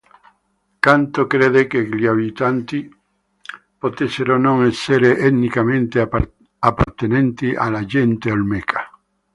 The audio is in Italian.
Canto crede che gli abitanti potessero non essere etnicamente appartenenti alla gente olmeca.